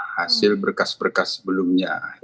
hasil berkas berkas sebelumnya